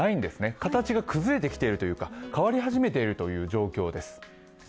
形が崩れてきているというか変わり始めているという状況です。